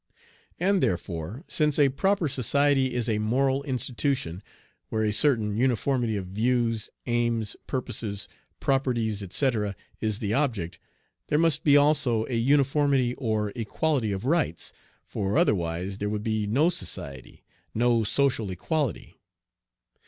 And therefore, since a proper society is a moral institution where a certain uniformity of views, aims, purposes, properties, etc., is the object, there must be also a uniformity or equality of rights, for otherwise there would be no society, no social equality.